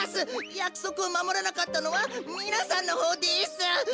やくそくをまもらなかったのはみなさんのほうです。